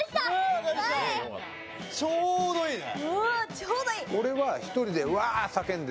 ちょうどいいね。